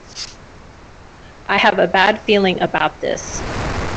I have a bad feeling about this!